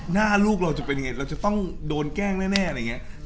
หน้าลูกเราจะเป็นยังไงเราจะต้องโดนแกล้งแน่อะไรอย่างนี้